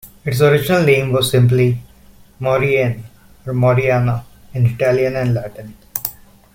Its original name was simply Maurienne, or Moriana in Italian and Latin.